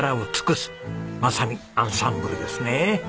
まさにアンサンブルですね。